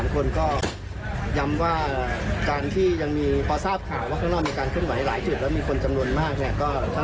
คนก็ย้ำว่าการที่ยังมีพอทราบข่าวว่าข้างนอกมีการเคลื่อนไหวหลายจุดแล้วมีคนจำนวนมากเนี่ย